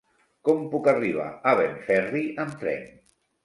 Com puc arribar a Benferri amb tren?